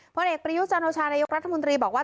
ผลเอกประยุจันโอชานายกรัฐมนตรีบอกว่า